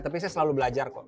tapi saya selalu belajar kok